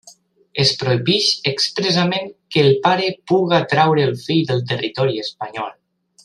Es prohibix expressament que el pare puga traure el fill del territori espanyol.